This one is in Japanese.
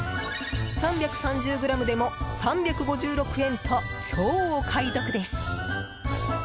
３３０ｇでも３５６円と超お買い得です。